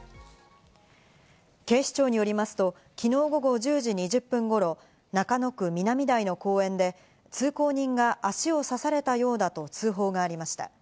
警視庁によりますと、きのう午後１０時２０分ごろ、中野区南台の公園で通行人が足を刺されたようだと通報がありました。